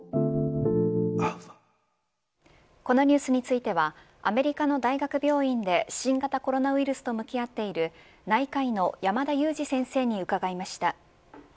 このニュースについてはアメリカの大学病院で新型コロナウイルスと向き合っている内科医の山田悠史先生に伺いました。